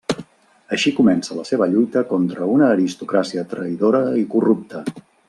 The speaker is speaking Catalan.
Així comença la seva lluita contra una aristocràcia traïdora i corrupta.